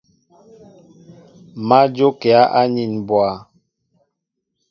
Má njókíá anin mbwa.